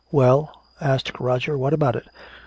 "Well," asked Roger, "what about it?